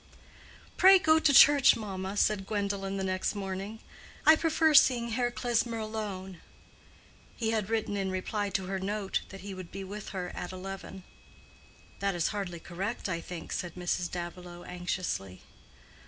"Pray go to church, mamma," said Gwendolen the next morning. "I prefer seeing Herr Klesmer alone." (He had written in reply to her note that he would be with her at eleven.) "That is hardly correct, I think," said Mrs. Davilow, anxiously.